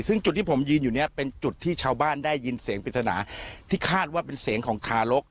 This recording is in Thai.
ซึ่งจุดที่ผมยืนอยู่เนี่ยเป็นจุดที่ชาวบ้านได้ยินเสียงปริศนาที่คาดว่าเป็นเสียงของทารก